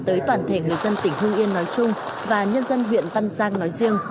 tới toàn thể người dân tỉnh hưng yên nói chung và nhân dân huyện văn giang nói riêng